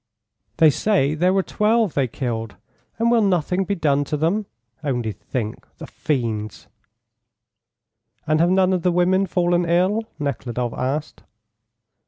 "They say there were 12 they killed. And will nothing be done to them? Only think! The fiends!" "And have none of the women fallen ill?" Nekhludoff asked.